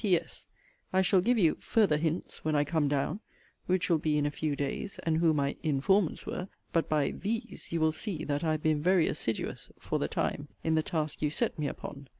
P.S. I shall give you 'farther hints' when I come down, (which will be in a few days;) and who my 'informants' were; but by 'these' you will see, that I have been very assiduous (for the time) in the task you set me upon.